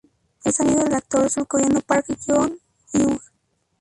Es amigo del actor surcoreano Park Joon-hyung.